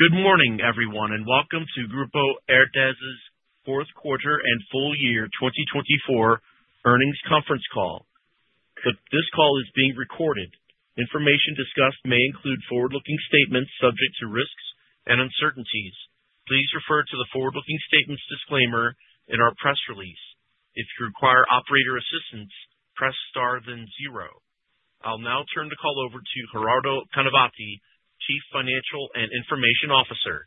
Good morning, everyone, and welcome to Grupo Herdez's fourth quarter and full year 2024 earnings conference call. This call is being recorded. Information discussed may include forward-looking statements subject to risks and uncertainties. Please refer to the forward-looking statements disclaimer in our press release. If you require operator assistance, press star then zero. I'll now turn the call over to Gerardo Canavati, Chief Financial and Information Officer.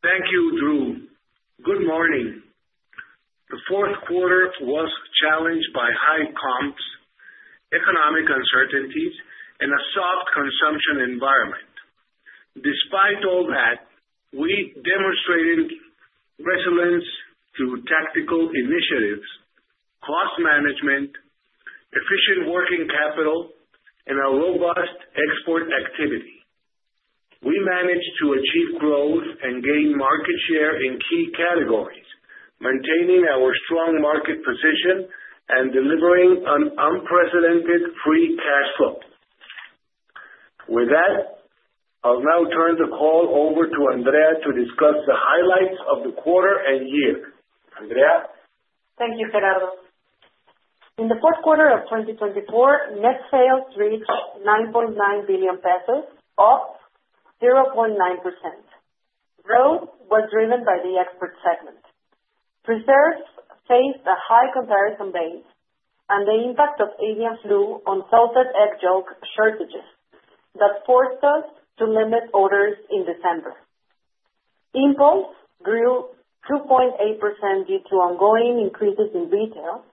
Thank you, Drew. Good morning. The fourth quarter was challenged by high comps, economic uncertainties, and a soft consumption environment. Despite all that, we demonstrated resilience through tactical initiatives, cost management, efficient working capital, and a robust export activity. We managed to achieve growth and gain market share in key categories, maintaining our strong market position and delivering an unprecedented free cash flow. With that, I'll now turn the call over to Andrea to discuss the highlights of the quarter and year. Andrea? Thank you, Gerardo. In the fourth quarter of 2024, net sales reached 9.9 billion pesos, up 0.9%. Growth was driven by the Export segment. Preserves faced a high comparison base, and the impact of avian flu on salted egg yolk shortages that forced us to limit orders in December. Impulse grew 2.8% due to ongoing increases in retail,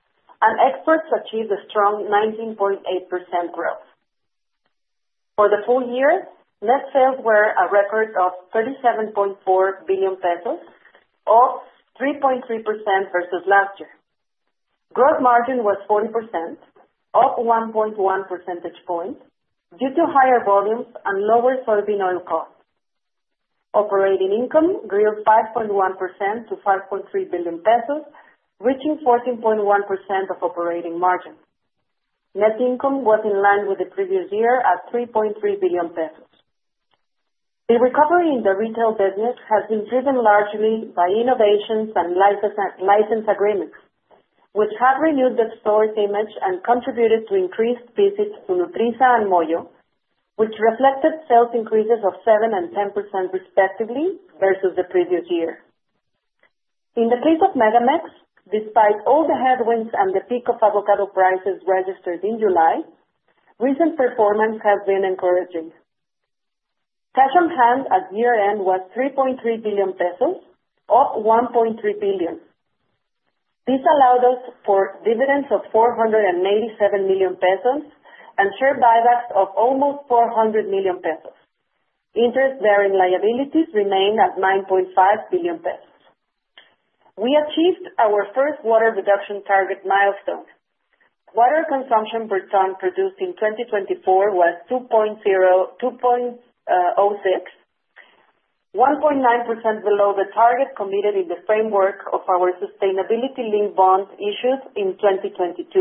and exports achieved a strong 19.8% growth. For the full year, net sales were a record of 37.4 billion pesos, up 3.3% versus last year. Gross margin was 40%, up 1.1 percentage points due to higher volumes and lower soybean oil costs. Operating income grew 5.1% to 5.3 billion pesos, reaching 14.1% of operating margin. Net income was in line with the previous year at 3.3 billion pesos. The recovery in the retail business has been driven largely by innovations and license agreements, which have renewed the store's image and contributed to increased visits to Nutrisa and Moyo, which reflected sales increases of 7% and 10% respectively versus the previous year. In the case of MegaMex, despite all the headwinds and the peak of avocado prices registered in July, recent performance has been encouraging. Cash on hand at year-end was 3.3 billion pesos, up 1.3 billion. This allowed us for dividends of 487 million pesos and share buybacks of almost 400 million pesos. Interest-bearing liabilities remain at 9.5 billion pesos. We achieved our first water reduction target milestone. Water consumption per ton produced in 2024 was 2.06, 1.9% below the target committed in the framework of our sustainability-linked bond issued in 2022.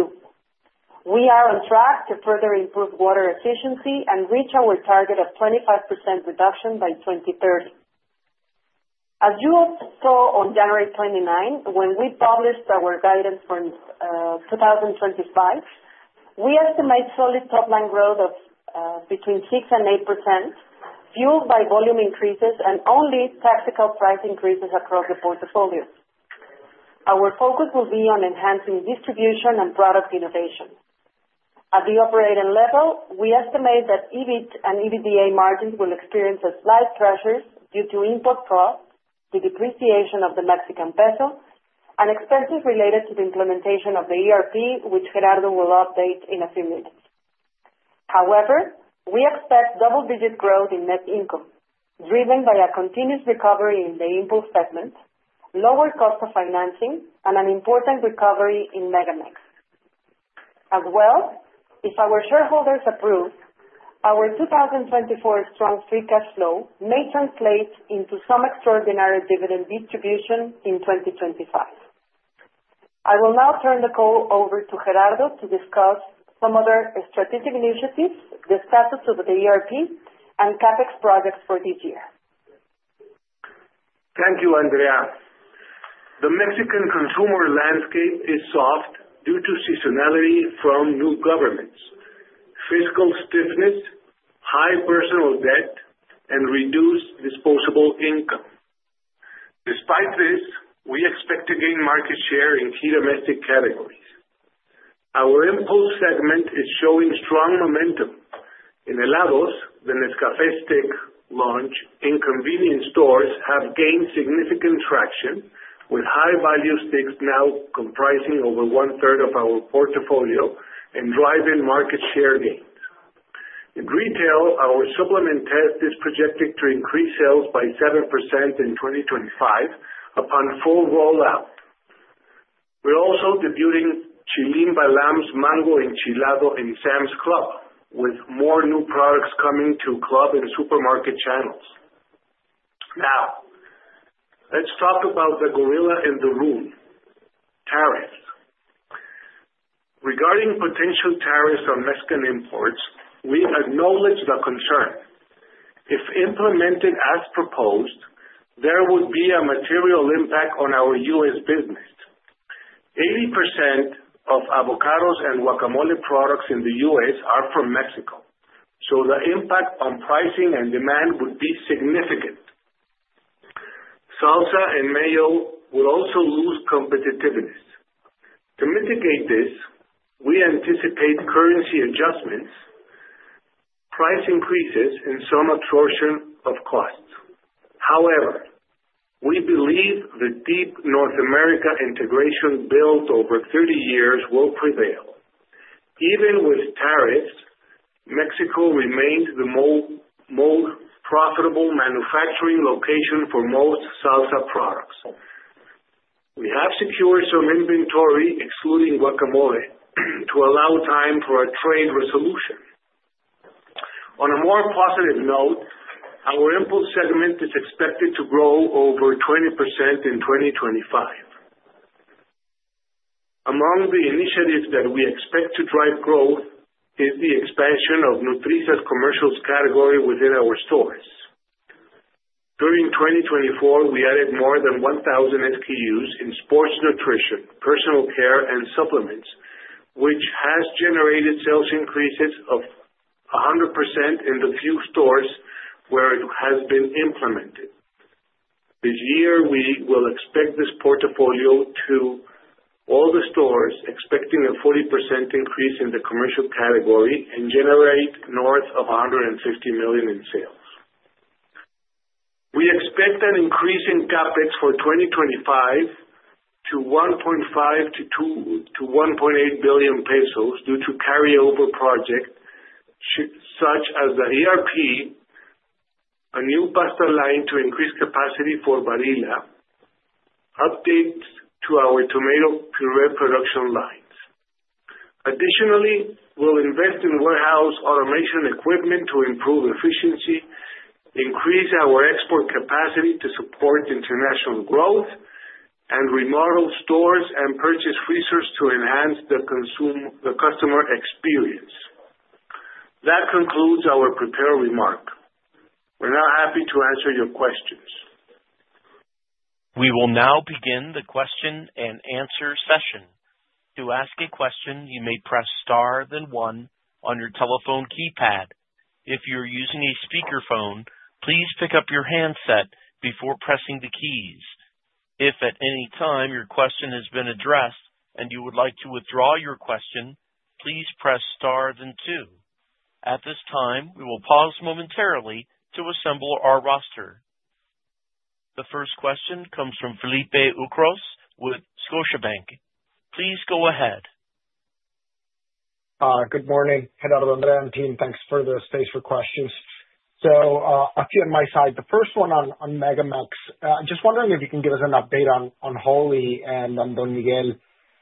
We are on track to further improve water efficiency and reach our target of 25% reduction by 2030. As you saw on January 29, when we published our guidance for 2025, we estimate solid top-line growth of between 6% and 8%, fueled by volume increases and only tactical price increases across the portfolio. Our focus will be on enhancing distribution and product innovation. At the operating level, we estimate that EBIT and EBITDA margins will experience a slight pressure due to import costs, the depreciation of the Mexican peso, and expenses related to the implementation of the ERP, which Gerardo will update in a few minutes. However, we expect double-digit growth in net income, driven by a continuous recovery in the Impulse segment, lower cost of financing, and an important recovery in MegaMex. As well, if our shareholders approve, our 2024 strong free cash flow may translate into some extraordinary dividend distribution in 2025. I will now turn the call over to Gerardo to discuss some other strategic initiatives, the status of the ERP, and CapEx projects for this year. Thank you, Andrea. The Mexican consumer landscape is soft due to seasonality from new governments, fiscal stiffness, high personal debt, and reduced disposable income. Despite this, we expect to gain market share in key domestic categories. Our Impulse segment is showing strong momentum. In Helados, the Nescafé stick launch in convenience stores has gained significant traction, with high-value sticks now comprising over one-third of our portfolio and driving market share gains. In retail, our supplement test is projected to increase sales by 7% in 2025 upon full rollout. We're also debuting Chilim Balam mango enchilado in Sam's Club, with more new products coming to club and supermarket channels. Now, let's talk about the gorilla in the room: tariffs. Regarding potential tariffs on Mexican imports, we acknowledge the concern. If implemented as proposed, there would be a material impact on our U.S. business. 80% of avocados and guacamole products in the U.S. are from Mexico, so the impact on pricing and demand would be significant. Salsa and mayo will also lose competitiveness. To mitigate this, we anticipate currency adjustments, price increases, and some absorption of costs. However, we believe the deep North America integration built over 30 years will prevail. Even with tariffs, Mexico remains the most profitable manufacturing location for most salsa products. We have secured some inventory, excluding guacamole, to allow time for a trade resolution. On a more positive note, our impulse segment is expected to grow over 20% in 2025. Among the initiatives that we expect to drive growth is the expansion of Nutrisa's commercials category within our stores. During 2024, we added more than 1,000 SKUs in sports nutrition, personal care, and supplements, which has generated sales increases of 100% in the few stores where it has been implemented. This year, we will expect this portfolio to all the stores expecting a 40% increase in the commercial category and generate north of 150 million in sales. We expect an increase in CapEx for 2025 to 1.5 billion-1.8 billion pesos due to carryover projects such as the ERP, a new pasta line to increase capacity for Barilla, and updates to our tomato puree production lines. Additionally, we'll invest in warehouse automation equipment to improve efficiency, increase our export capacity to support international growth, and remodel stores and purchase resources to enhance the customer experience. That concludes our prepared remark. We're now happy to answer your questions. We will now begin the question and answer session. To ask a question, you may press star then one on your telephone keypad. If you're using a speakerphone, please pick up your handset before pressing the keys. If at any time your question has been addressed and you would like to withdraw your question, please press star then two. At this time, we will pause momentarily to assemble our roster. The first question comes from Felipe Ucros with Scotiabank. Please go ahead. Good morning, Gerardo, Andrea, and team. Thanks for the space for questions. So a few on my side. The first one on MegaMex, just wondering if you can give us an update on Wholly and on Don Miguel.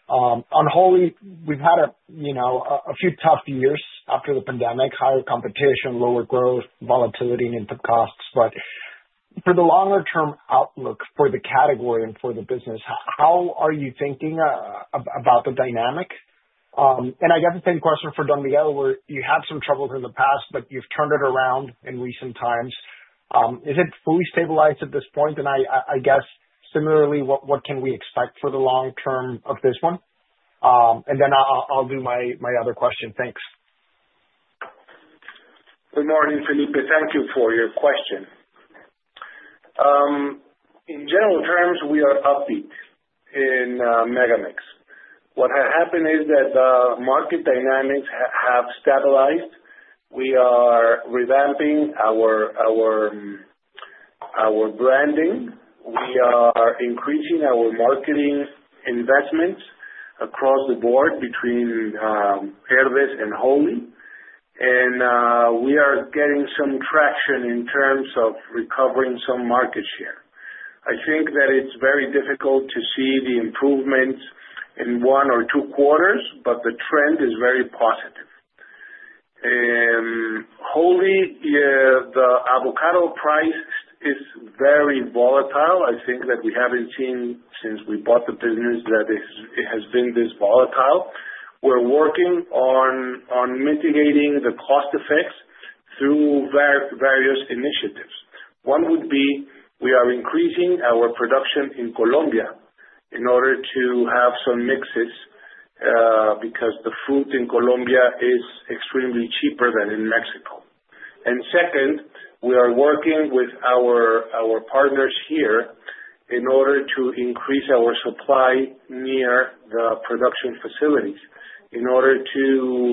On Wholly, we've had a few tough years after the pandemic: higher competition, lower growth, volatility, and improved costs. But for the longer-term outlook for the category and for the business, how are you thinking about the dynamic? And I guess the same question for Don Miguel, where you had some troubles in the past, but you've turned it around in recent times. Is it fully stabilized at this point? And I guess, similarly, what can we expect for the long term of this one? And then I'll do my other question. Thanks. Good morning, Felipe. Thank you for your question. In general terms, we are upbeat in MegaMex. What has happened is that the market dynamics have stabilized. We are revamping our branding. We are increasing our marketing investments across the board between Herdez and Wholly. And we are getting some traction in terms of recovering some market share. I think that it's very difficult to see the improvements in one or two quarters, but the trend is very positive. Wholly, the avocado price is very volatile. I think that we haven't seen since we bought the business that it has been this volatile. We're working on mitigating the cost effects through various initiatives. One would be we are increasing our production in Colombia in order to have some mixes because the fruit in Colombia is extremely cheaper than in Mexico. Second, we are working with our partners here in order to increase our supply near the production facilities in order to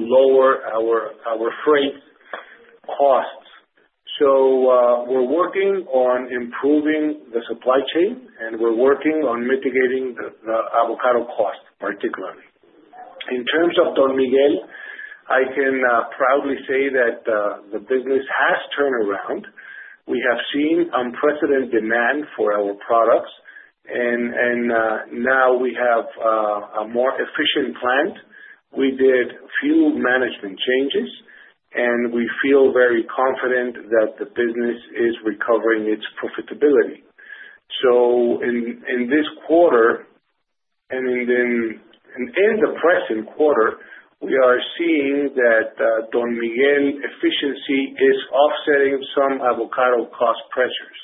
lower our freight costs. We're working on improving the supply chain, and we're working on mitigating the avocado cost, particularly. In terms of Don Miguel, I can proudly say that the business has turned around. We have seen unprecedented demand for our products, and now we have a more efficient plant. We did few management changes, and we feel very confident that the business is recovering its profitability. In this quarter and in the present quarter, we are seeing that Don Miguel efficiency is offsetting some avocado cost pressures.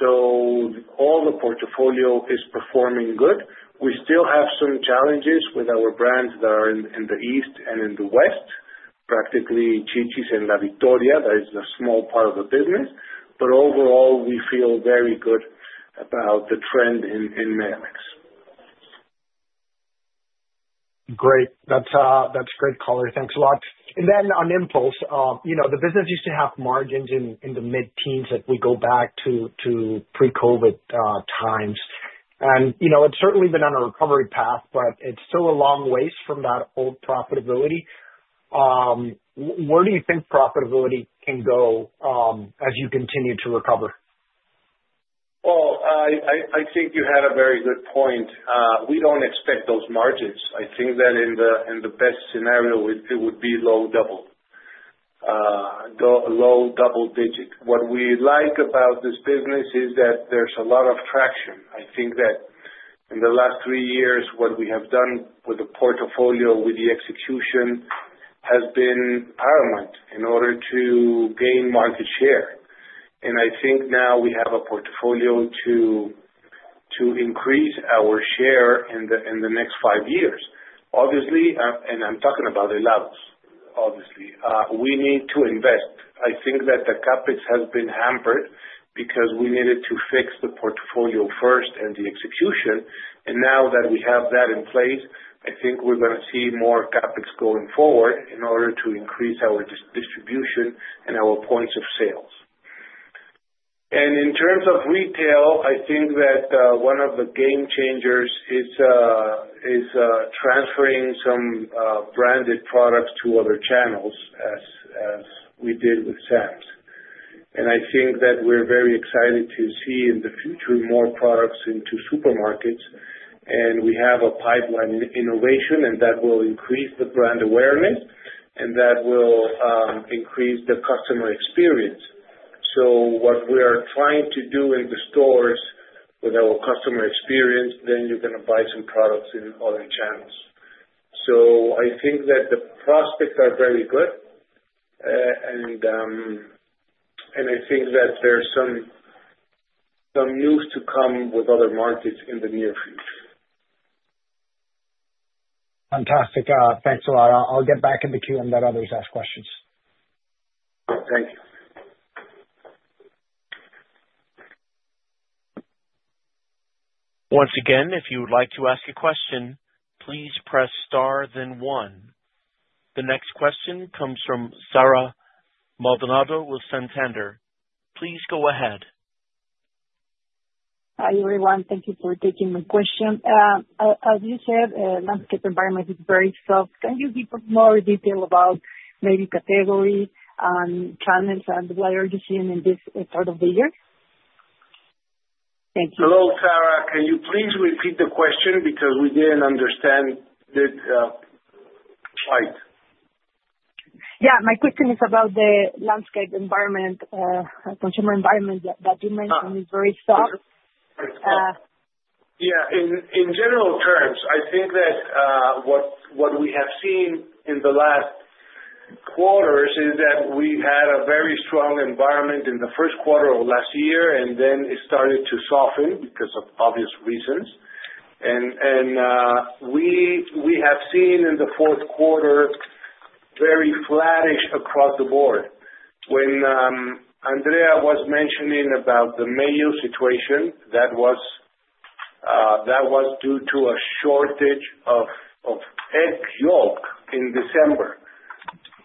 All the portfolio is performing good. We still have some challenges with our brands that are in the east and in the west, practically Chi-Chi's and La Victoria. That is a small part of the business. But overall, we feel very good about the trend in MegaMex. Great. That's great color. Thanks a lot. And then on impulse, the business used to have margins in the mid-teens if we go back to pre-COVID times. And it's certainly been on a recovery path, but it's still a long ways from that old profitability. Where do you think profitability can go as you continue to recover? I think you had a very good point. We don't expect those margins. I think that in the best scenario, it would be low double digit. What we like about this business is that there's a lot of traction. I think that in the last three years, what we have done with the portfolio, with the execution, has been paramount in order to gain market share. I think now we have a portfolio to increase our share in the next five years. Obviously, I'm talking about Helados. We need to invest. I think that the CapEx has been hampered because we needed to fix the portfolio first and the execution. Now that we have that in place, I think we're going to see more CapEx going forward in order to increase our distribution and our points of sales. And in terms of retail, I think that one of the game changers is transferring some branded products to other channels as we did with Sam's. And I think that we're very excited to see in the future more products into supermarkets. And we have a pipeline in innovation, and that will increase the brand awareness, and that will increase the customer experience. So what we are trying to do in the stores with our customer experience, then you're going to buy some products in other channels. So I think that the prospects are very good, and I think that there's some news to come with other markets in the near future. Fantastic. Thanks a lot. I'll get back in the queue and let others ask questions. Thank you. Once again, if you would like to ask a question, please press star then one. The next question comes from Sara Maldonado with Santander. Please go ahead. Hi, everyone. Thank you for taking my question. As you said, landscape environment is very soft. Can you give more detail about maybe category and challenge and what are you seeing in this part of the year? Thank you. Hello, Sara. Can you please repeat the question because we didn't understand the first? Yeah. My question is about the landscape environment, consumer environment that you mentioned is very soft. Yeah. In general terms, I think that what we have seen in the last quarters is that we had a very strong environment in the first quarter of last year, and then it started to soften because of obvious reasons. And we have seen in the fourth quarter very flattish across the board. When Andrea was mentioning about the mayo situation, that was due to a shortage of egg yolk in December.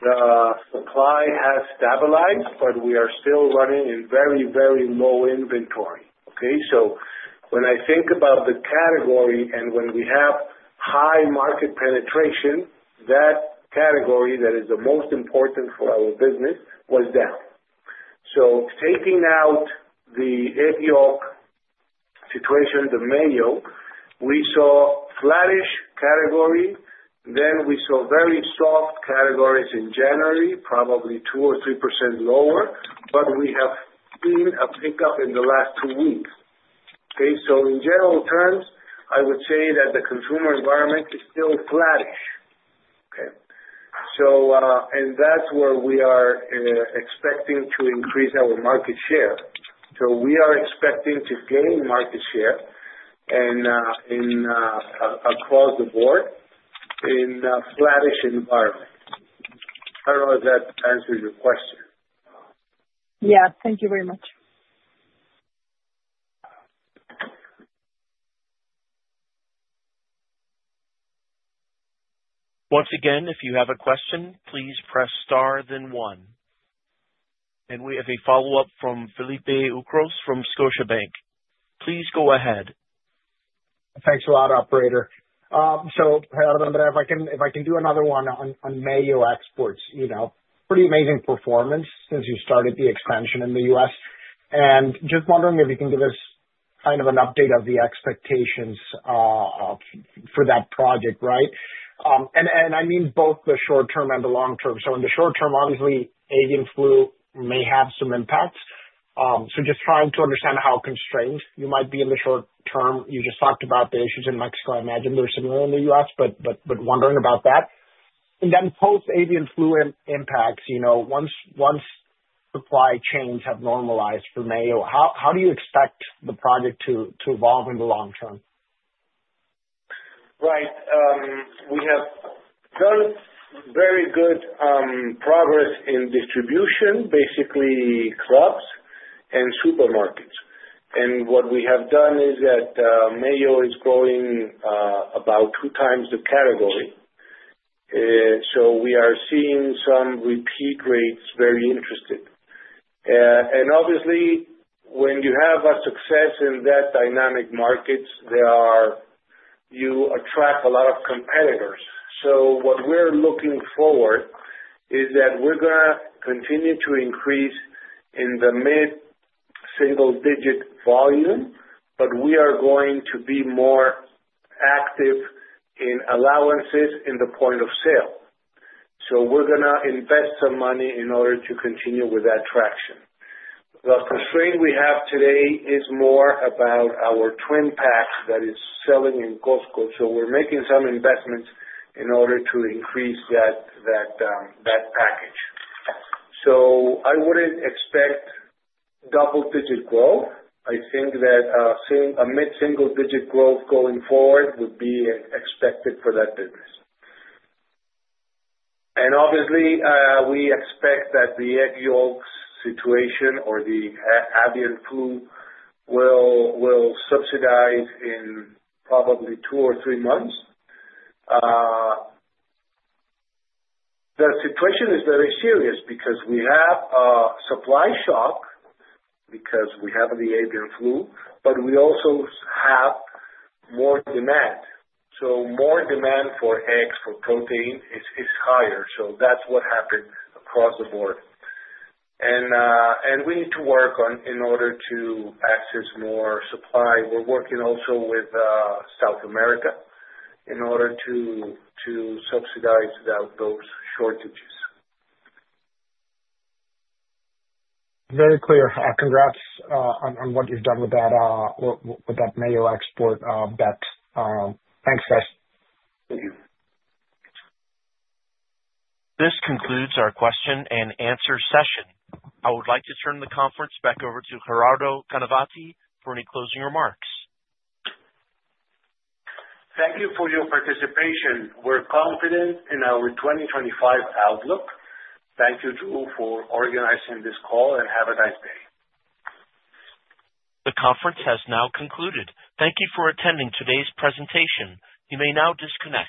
The supply has stabilized, but we are still running in very, very low inventory. Okay? So when I think about the category and when we have high market penetration, that category that is the most important for our business was down. So taking out the egg yolk situation, the mayo, we saw flattish category. Then we saw very soft categories in January, probably 2% or 3% lower, but we have seen a pickup in the last two weeks. Okay? So in general terms, I would say that the consumer environment is still flattish. Okay? And that's where we are expecting to increase our market share. So we are expecting to gain market share across the board in a flattish environment. I don't know if that answers your question. Yeah. Thank you very much. Once again, if you have a question, please press star then one, and we have a follow-up from Felipe Ucros from Scotiabank. Please go ahead. Thanks a lot, operator. Gerardo, Andrea, if I can do another one on mayo exports, pretty amazing performance since you started the expansion in the U.S. And just wondering if you can give us kind of an update of the expectations for that project, right? And I mean both the short term and the long term. In the short term, obviously, avian flu may have some impacts. Just trying to understand how constrained you might be in the short term. You just talked about the issues in Mexico. I imagine they're similar in the U.S., but wondering about that. And then post-avian flu impacts, once supply chains have normalized for mayo, how do you expect the project to evolve in the long term? Right. We have done very good progress in distribution, basically clubs and supermarkets. And what we have done is that mayo is growing about two times the category. So we are seeing some repeat rates very interesting. And obviously, when you have a success in that dynamic markets, you attract a lot of competitors. So what we're looking forward to is that we're going to continue to increase in the mid-single-digit volume, but we are going to be more active in allowances in the point of sale. So we're going to invest some money in order to continue with that traction. The constraint we have today is more about our twin pack that is selling in Costco. So we're making some investments in order to increase that package. So I wouldn't expect double-digit growth. I think that a mid-single-digit growth going forward would be expected for that business. Obviously, we expect that the egg yolk situation or the avian flu will subside in probably two or three months. The situation is very serious because we have a supply shock because we have the avian flu, but we also have more demand. More demand for eggs, for protein is higher. That's what happened across the board. We need to work on in order to access more supply. We're working also with South America in order to subside those shortages. Very clear. Congrats on what you've done with that mayo export bet. Thanks, guys. Thank you. This concludes our question and answer session. I would like to turn the conference back over to Gerardo Canavati for any closing remarks. Thank you for your participation. We're confident in our 2025 outlook. Thank you, Drew, for organizing this call, and have a nice day. The conference has now concluded. Thank you for attending today's presentation. You may now disconnect.